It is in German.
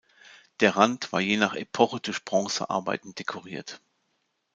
Der Rand war je nach Epoche durch Bronzearbeiten dekoriert.